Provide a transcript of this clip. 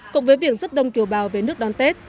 cộng với việc rất đông kiều bào về nước đón tết